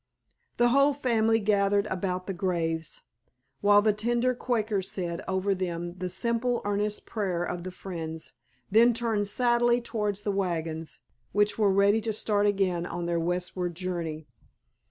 The whole family gathered about the graves, while the gentle Quaker said over them the simple, earnest prayer of the Friends, then turned sadly toward the wagons, which were ready to start again on their westward journey.